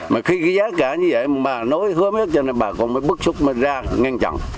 mà khi cái giá cả như vậy mà nói hứa hết cho nên bà con mới bức xúc mới ra ngăn chặn